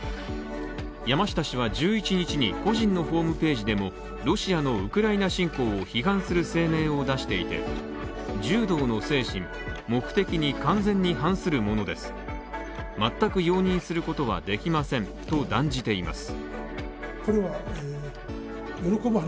山下氏は１１日に個人のホームページでもロシアのウクライナ侵攻を批判する声明を出していて柔道の精神、目的に完全に反するものです、全く容認することはできませんと断じています。